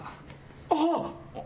あっ！